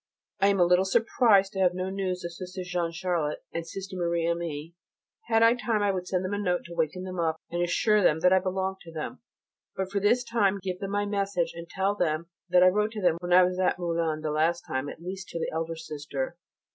I am a little surprised to have no news of Sister Jeanne Charlotte, and Sister Marie Aimée. Had I time I would send them a note to waken them up, and assure them that I belong to them, but for this time give them my message and tell them that I wrote to them when I was at Moulins the last time, at least to the elder sister.